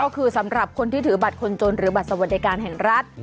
ก็คือสำหรับคนที่ถือบัตรคนจนหรือบัตรสวัสดิการแห่งรัฐ